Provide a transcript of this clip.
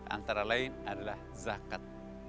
antara lain adalah zakat